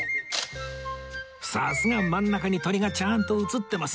さすが真ん中に鳥がちゃんと写ってます